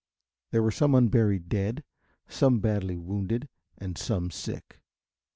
There were some unburied dead, some badly wounded and some sick.